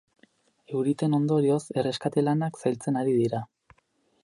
Euriteen ondorioz, erreskate lanak zailtzen ari dira.